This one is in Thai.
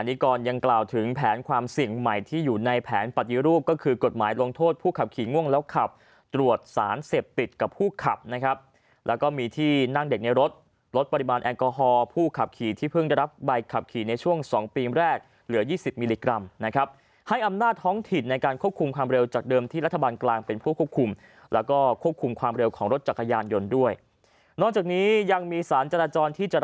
นี้ก่อนกัลอยังกล่าวถึงแผนความเสี่ยงใหม่ที่อยู่ในแผนปฏิรูปก็คือกฎหมายลงโทษผู้ขับขี่ง่วงแล้วขับตรวจสารเสพติดกับผู้ขับนะครับแล้วก็มีที่นั่งเด็กในรถรถปริมาณแอนโกฮอล์ผู้ขับขี่ที่เพิ่งจะรับบ๑๙๔๖ในช่วงสองปีแรกเหลือ๒๐มิลลิกรัมนะครับให้อำนาจท้องถิ่นในการควบคุมความเร็วจ